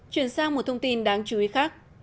chuyển sang một thông tin đáng chú ý khác